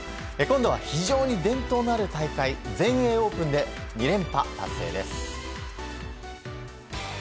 今度は非常に伝統のある大会全英オープンで２連覇達成です。